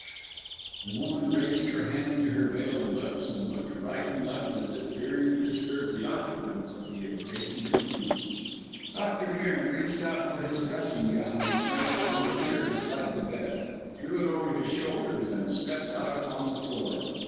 "S sh!" The woman raised her hand to her veiled lips, and looked right and left as if fearing to disturb the occupants of the adjacent rooms. Dr. Cairn reached out for his dressing gown which lay upon the chair beside the bed, threw it over his shoulders, and stepped out upon the floor.